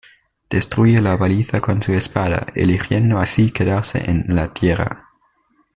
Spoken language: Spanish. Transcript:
Destruye la baliza con su espada, eligiendo así quedarse en La Tierra.